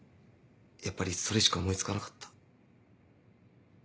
やっぱりそれしか思い付かなかった。